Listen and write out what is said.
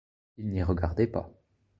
Il n’y regardait pas.